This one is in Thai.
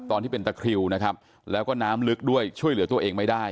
ตอนที่เป็นตะคริวนะครับแล้วก็น้ำลึกด้วยช่วยเหลือตัวเองไม่ได้